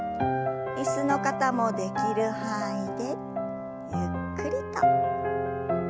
椅子の方もできる範囲でゆっくりと。